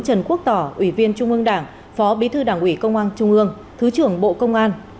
trần quốc tỏ ủy viên trung ương đảng phó bí thư đảng ủy công an trung ương thứ trưởng bộ công an